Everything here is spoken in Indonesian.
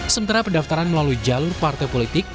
sementara pendaftaran melalui jalur partai politik